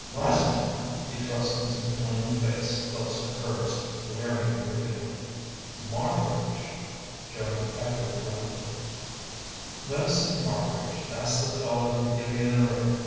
Wasn't it?" He thrust his inflamed face close to hers, leering wickedly. "Marbridge!" Joan echoed blankly. "Vincent Marbridge tha's the feller't give you the ring.